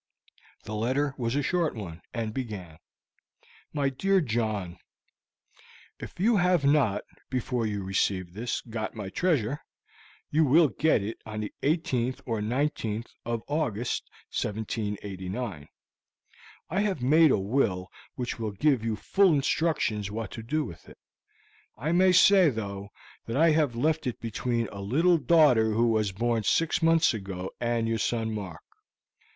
The letter was a short one, and began: "My DEAR JOHN: "If you have not, before you receive this, got my treasure, you will get it on the 18th or 19th of August, 17??89. I have made a will which will give you full instructions what to do with it. I may say, though, that I have left it between a little daughter who was born six months ago, and your son Mark.